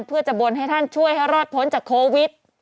เพื่อจะบนให้ท่านช่วยให้รอดพ้นจากโควิด